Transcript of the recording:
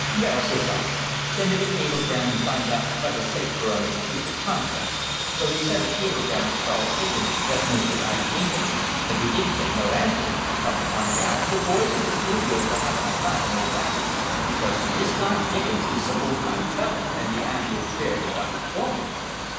'Vell,' says I, 'send him a cablegram and find out vot he'll take fer an exclusive contract.' So we sent a cablegram to Charles Dickens, Vestminster Abbey, England, and we didn't git no answer, and come to find out, de boys in de studios vas havin' a laugh on old Abey, because dis guy Dickens is some old time feller, and de Abbey is vere dey got his bones.